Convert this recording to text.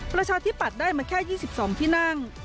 ประชาที่ปัดได้มาแค่ยี่สิบสองที่นั่ง